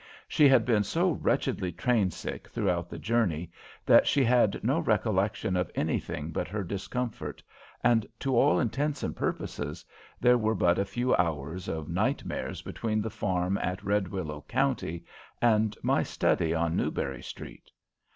She had been so wretchedly train sick throughout the journey that she had no recollection of anything but her discomfort, and, to all intents and purposes, there were but a few hours of nightmare between the farm in Red Willow County and my study on Newbury Street.